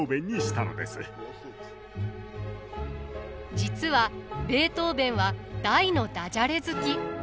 実はベートーヴェンは大のダジャレ好き。